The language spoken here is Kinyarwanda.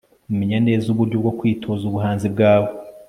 menya neza uburyo bwo kwitoza ubuhanzi bwawe